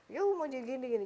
yuh mau jadi gini gini